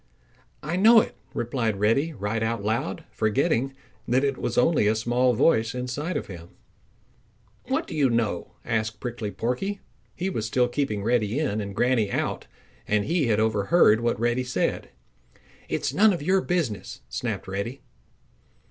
"I know it," replied Reddy right out loud, forgetting that it was only a small voice inside of him. "What do you know?" asked Prickly Porky. He was still keeping Reddy in and Granny out and he had overheard what Reddy said. "It is none of your business!" snapped Reddy.